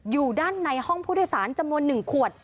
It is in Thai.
อยู่ด้านในห้องผู้โดยสารจำนวน๑ขวด